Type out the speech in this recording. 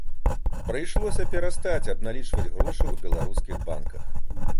Прыйшлося перастаць абналічваць грошы ў беларускіх банках.